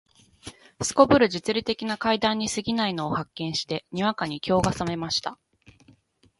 頗る実利的な階段に過ぎないのを発見して、にわかに興が覚めました